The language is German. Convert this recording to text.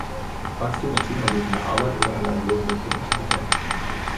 Wachstum erzielt man durch mehr Arbeit oder eine Erhöhung der Produktivität.